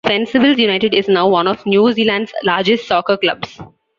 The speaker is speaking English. Fencibles United is now one of New Zealand's largest soccer clubs.